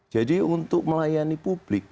jadi untuk melayani publik